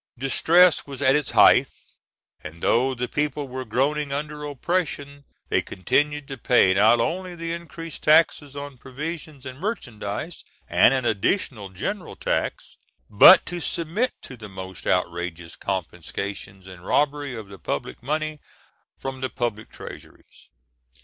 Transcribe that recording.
Distress was at its height, and though the people were groaning under oppression, they continued to pay not only the increased taxes on provisions and merchandise, and an additional general tax, but to submit to the most outrageous confiscations and robbery of the public money from the public treasuries.